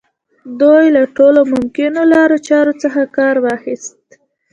دوی له ټولو ممکنو لارو چارو څخه کار واخيست.